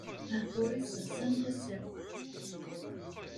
Lehduṛ-is zzan tasa-w.